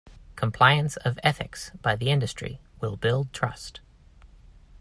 Compliance of Ethics by the industry will build trust.